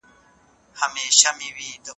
اميدوارې مورې، تنګې جامې مه اغونده